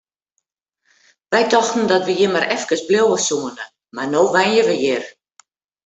Wy tochten dat we hjir mar efkes bliuwe soene, mar no wenje we hjir!